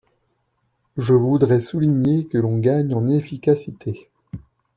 Je voudrais souligner que l’on gagne en efficacité.